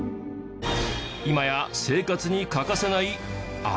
今や生活に欠かせないあれ。